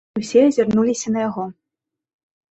Усе азірнуліся на яго.